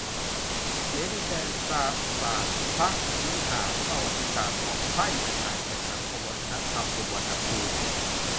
เสียดินแดน "ปราสาทพระวิหาร" ประวัติศาสตร์หลอกไพร่ไปตายแทน สังคมวัฒนธรรม สุวรรณภูมิ